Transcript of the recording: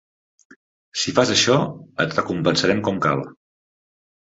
Si fas això, et recompensarem com cal.